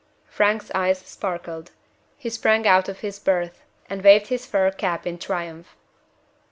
Frank's eyes sparkled. He sprang out of his berth, and waved his fur cap in triumph.